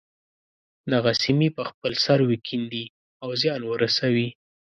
دغه سیمې په خپل سر وکیندي او زیان ورسوي.